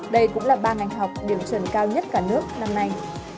đây cũng là ba ngành học điểm chuẩn cao nhất cả nước năm nay